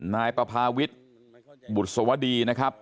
นายปภาวิทย์บุษวดีนะครับ